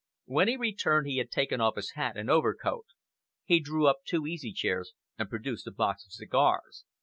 When he returned, he had taken off his hat and overcoat. He drew up two easy chairs and produced a box of cigars.